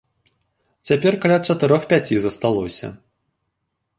Цяпер каля чатырох-пяці засталося.